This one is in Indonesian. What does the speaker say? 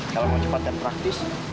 kalau mau cepat dan praktis